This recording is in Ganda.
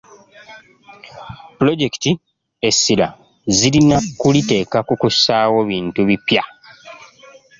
Pulojekiti essirira zirina kuliteeka ku kussaawo bintu bipya.